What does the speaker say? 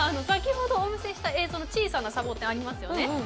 先ほどお見せした映像の小さなサボテンありますよね？